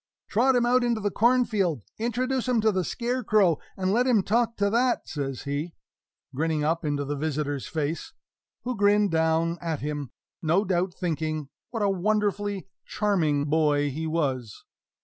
"Trot him out into the cornfield, introduce him to the scarecrow, and let him talk to that," says he, grinning up into the visitor's face, who grinned down at him, no doubt thinking what a wonderfully charming boy he was!